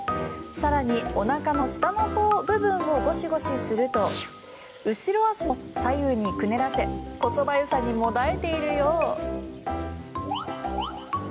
更に、おなかの下の部分をゴシゴシすると後ろ足も左右にくねらせこそばゆさにもだえているよう。